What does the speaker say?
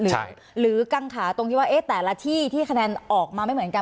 หรือกังขาตรงที่ว่าแต่ละที่ที่คะแนนออกมาไม่เหมือนกัน